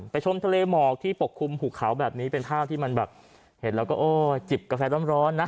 ชมทะเลหมอกที่ปกคลุมภูเขาแบบนี้เป็นภาพที่มันแบบเห็นแล้วก็โอ้จิบกาแฟร้อนนะ